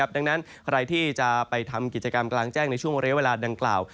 ดังนั้นใครที่จะไปทำกิจกรรมกลางแจ้งในช่วงเรียกเวลาดังกล่าว